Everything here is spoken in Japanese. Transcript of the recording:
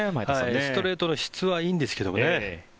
ストレートの質はいいんですけどね。